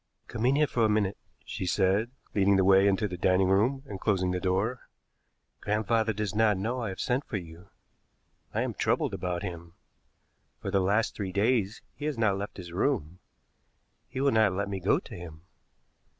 "Come in here for a minute," she said, leading the way into the dining room and closing the door. "Grandfather does not know I have sent for you. I am troubled about him. For the last three days he has not left his room. He will not let me go to him.